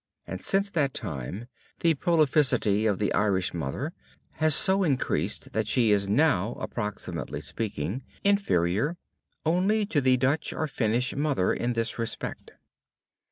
And since that time the prolificity of the Irish mother has so increased that she is now, approximately speaking, inferior only to the Dutch or Finnish mother in this respect.